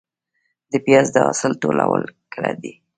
د پیاز د حاصل ټولول کله دي؟